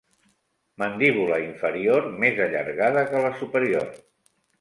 Mandíbula inferior més allargada que la superior.